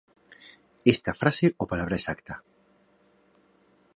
Esta frase o palabra exacta: